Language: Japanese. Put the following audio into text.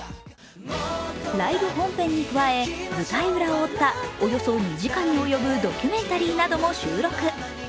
ライブ本編に加え舞台裏を追ったおよそ２時間に及ぶドキュメンタリーなども収録。